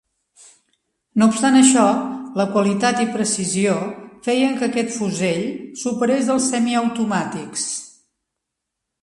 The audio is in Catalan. No obstant això, la qualitat i precisió feien que aquest fusell superés als semiautomàtics.